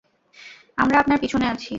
আমরা আপনার পিছনে আছি।